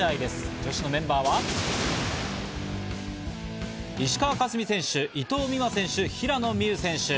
女子のメンバーは石川佳純選手、伊藤美誠選手、平野美宇選手。